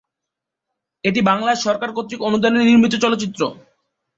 এটি বাংলাদেশ সরকার কর্তৃক অনুদানে নির্মিত চলচ্চিত্র।